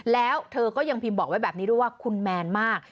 แล้วเธอก็ยังพิมพ์บอกไว้แบบนี้ด้วยว่าคุณแมนมาก